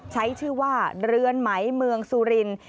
ใช้ชื่อว่าเรือนไหมเมืองสุรินทร์